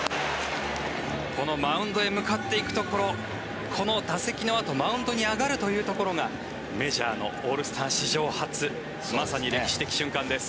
このマウンドへ向かっていくところこの打席のあと、マウンドに上がるというところがメジャーのオールスター史上初まさに歴史的瞬間です。